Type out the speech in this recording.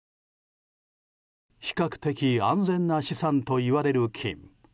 比較的安全な資産といわれる金。